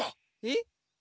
えっ？